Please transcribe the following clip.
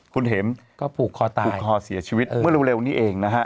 คุณเห็มก็ผูกคอตายผูกคอเสียชีวิตเมื่อเร็วนี้เองนะฮะ